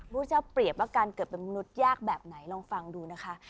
พุทธเจ้าเปรียบว่าการเกิดเป็นมนุษย์ยากแบบไหนลองฟังดูนะคะ